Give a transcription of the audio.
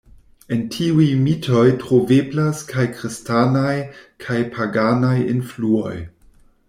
En tiuj mitoj troveblas kaj kristanaj kaj paganaj influoj.